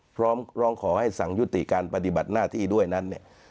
พร้อมร้องขอให้สั่งยุติการปฏิบัติหน้าที่ด้วยนั้นเนี่ย